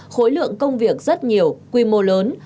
khối lượng công việc rất nhiều quy mô lớn